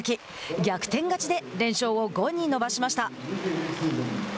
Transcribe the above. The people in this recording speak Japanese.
逆転勝ちで連勝を５に伸ばしました。